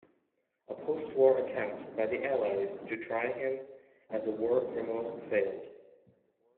A post-war attempt by the Allies to try him as a war criminal failed.